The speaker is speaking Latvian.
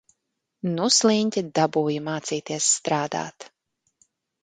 Nu sliņķe dabūja mācīties strādāt.